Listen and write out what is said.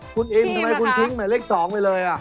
คุณอิมทำไมคุณทิ้งหมายเลข๒ไปเลย